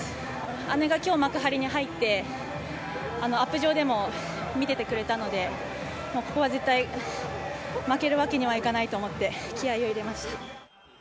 姉が今日幕張に入ってアップ場でも見せてくれたので、ここは絶対負けるわけにはいかないと思って気合いを入れました。